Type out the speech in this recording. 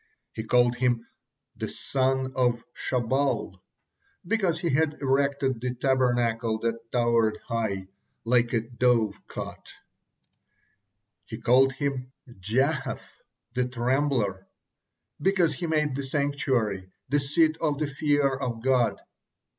He called him "the son of Shobal," because he had erected the Tabernacle that towered high, like a dove cote. He called him Jahath, "the Trembler," because he made the sanctuary, the seat of the fear of God.